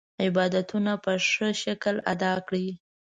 عبادتونه په ښه شکل ادا کړي.